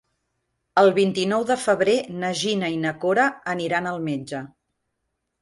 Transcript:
El vint-i-nou de febrer na Gina i na Cora aniran al metge.